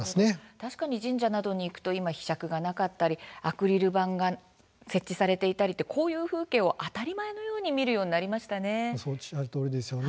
確かに今、神社などに行くと、ひしゃくがなかったりアクリル板が設置されていたりこういう風景を当たり前のように見るようになりましたね。